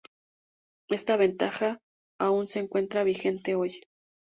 Esta ventaja aún se encuentra vigente hoy.